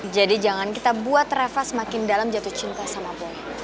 jadi jangan kita buat rafa semakin dalam jatuh cinta sama boy